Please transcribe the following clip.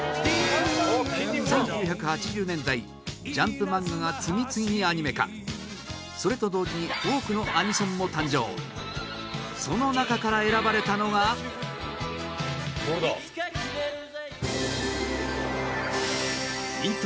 １９８０年代『ジャンプ』漫画が次々にアニメ化それと同時に多くのアニソンも誕生その中から選ばれたのが伊達：きたー！